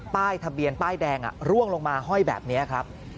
ป้ายทะเบียนป้ายแดงร่วงลงมาห้อยแบบนี้ครับ